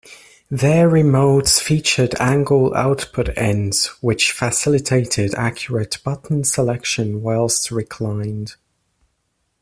Their remotes featured angled output ends, which facilitated accurate button selection whilst reclined.